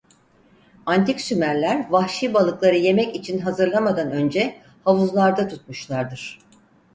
Antik Sümerler vahşi balıkları yemek için hazırlamadan önce havuzlarda tutmuşlardır.